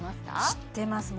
知ってます